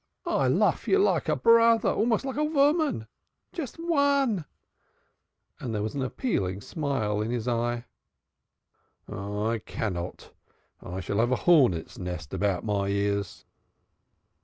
I lof you like a brother almost like a voman. Just von!" There was an appealing smile in his eye. "I cannot. I shall have a hornet's nest about my ears."